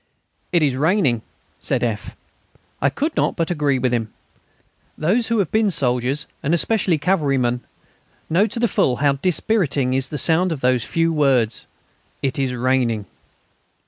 "It is raining," said F. I could not but agree with him. Those who have been soldiers, and especially cavalrymen, know to the full how dispiriting is the sound of those few words: "It is raining."